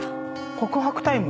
告白タイム？